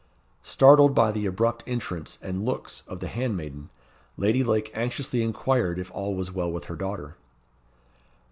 Startled by the abrupt entrance and looks of the handmaiden, Lady Lake anxiously inquired if all was well with her daughter.